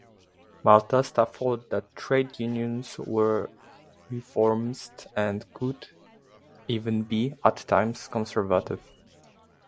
Malatesta thought that trade-unions were reformist, and could even be, at times, conservative.